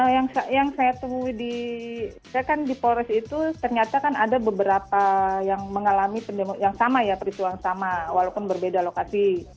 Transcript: yang saya temui di saya kan di polres itu ternyata kan ada beberapa yang mengalami yang sama ya peristiwa yang sama walaupun berbeda lokasi